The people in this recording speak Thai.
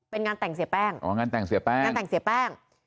เป็นงานแต่งเสียแป้ง